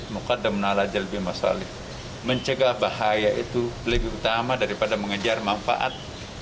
mencegah bahaya itu lebih utama daripada mengejar manfaat